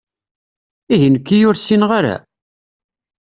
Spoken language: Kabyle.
Ihi nekki ur ssineɣ ara?